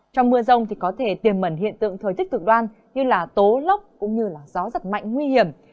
trong mưa rông thì có thể tiềm mẩn hiện tượng thời tích tự đoan như tố lốc cũng như gió rất mạnh nguy hiểm